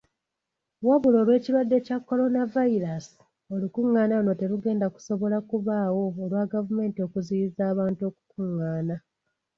Wabula olw'ekirwadde kya coronavirus, olukungaana luno terugenda kusobola kubaawo olwa gavumenti okuziyiza abantu okukungaana.